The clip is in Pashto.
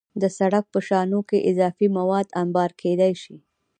د سړک په شانو کې اضافي مواد انبار کېدای شي